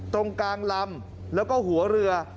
ตรงกลางลำแล้วก็หัวเรือ